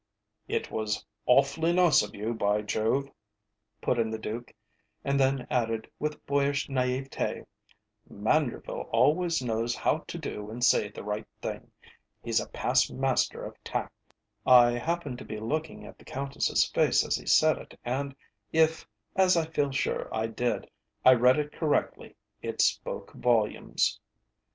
"It was awfully nice of you, by Jove!" put in the Duke, and then added with boyish naïveté: "Manderville always knows how to do and say the right thing. He's a past master of tact." I happened to be looking at the Countess's face as he said it, and if as I feel sure I did I read it correctly, it spoke volumes.